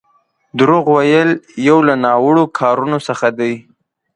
دروغ ويل يو له ناوړو کارونو څخه دی.